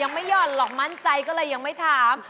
ไม่หย่อนหรอกมั่นใจก็เลยยังไม่ถาม